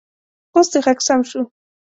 اوس دې غږ سم شو